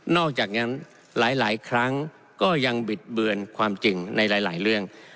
อกจากนั้นหลายครั้งก็ยังบิดเบือนความจริงในหลายเรื่อง